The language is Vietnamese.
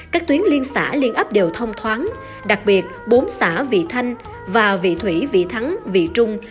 các tuyến liên xã liên ấp đều thông thoáng đặc biệt bốn xã vị thanh và vị thủy vị thắng vị trung